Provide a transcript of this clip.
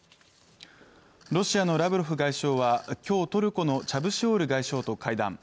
ロシアのラブロフ外相は今日、トルコのチャブシオール外相と会談。